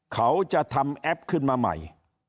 เขาจะทำแอปขึ้นมาใหม่